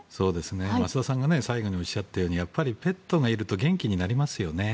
増田さんが最後におっしゃったようにペットがいると元気になりますよね。